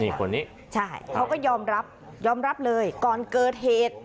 นี่คนนี้ใช่เขาก็ยอมรับยอมรับเลยก่อนเกิดเหตุ